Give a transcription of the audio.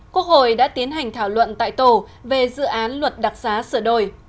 quốc hội đã tiến hành thảo luận tại tổ về dự án luật đặc giá sửa đổi